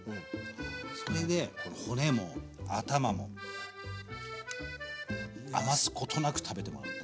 それで骨も頭も余すことなく食べてもらう。